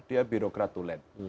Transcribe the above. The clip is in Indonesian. dia birokrat tulen